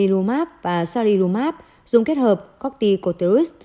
tocililumab và sarirumab dùng kết hợp corticosteroids